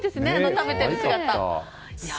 食べている姿。